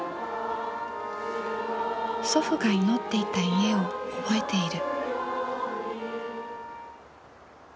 祖父が祈っていた家を覚えている。